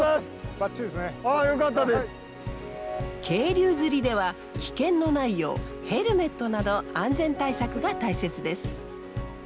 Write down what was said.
渓流釣りでは危険のないようヘルメットなど安全対策が大切です。